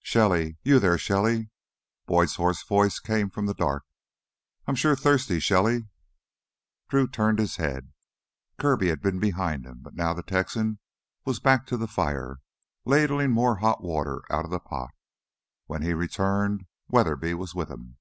"Shelly? You there, Shelly?" Boyd's hoarse voice came from the dark. "I'm sure thirsty, Shelly!" Drew turned his head. Kirby had been behind him, but now the Texan was back to the fire, ladling more hot water out of the pot. When he returned, Weatherby was with him.